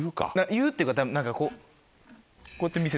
言うっていうかたぶん何かこう。